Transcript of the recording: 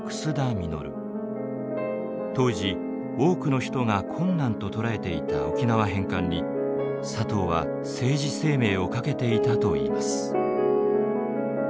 当時多くの人が困難と捉えていた沖縄返還に佐藤は政治生命を懸けていたといいます。